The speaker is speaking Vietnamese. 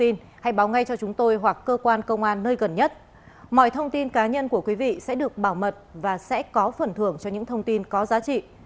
ngoài thông tin cá nhân của quý vị sẽ được bảo mật và sẽ có phần thưởng cho những thông tin có giá trị